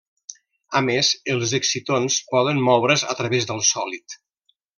A més, els excitons poden moure's a través del sòlid.